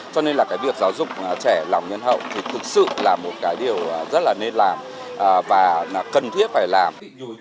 cho nên là cái việc giáo dục trẻ lòng nhân hậu thì thực sự là một cái điều rất là nên làm và cần thiết phải làm